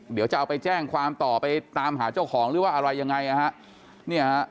เดี๋ยวจะเอาไปแจ้งความต่อไปตามหาเจ้าของหรือว่าอะไรยังไงนะฮะ